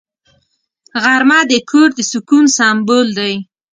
غرمه د کور د سکون سمبول دی